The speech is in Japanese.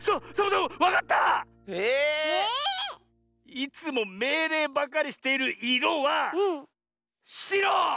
いつもめいれいばかりしているいろはしろ！